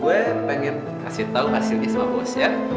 gue pengen kasih tahu hasilnya sama bos ya